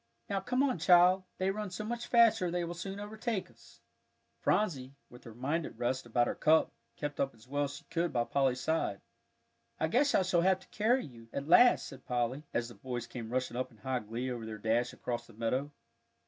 "Now come on, child; they run so much faster they will soon overtake us." Phronsie, with her mind at rest about her cup, kept up as well as she could by Polly's side. "I guess I shall have to carry you," at last said Polly, as the boys came rushing up in high glee over their dash across the meadow.